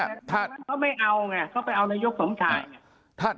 เขาไปเอานายกสมทาย